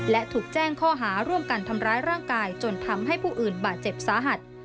และถูกแจ้งข้อหาร่วมกันทำร้ายร่างกายจนทำให้ผู้อื่นบาดเจ็บสาหัส